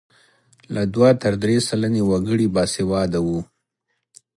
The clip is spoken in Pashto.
له دوه تر درې سلنې وګړي باسواده وو.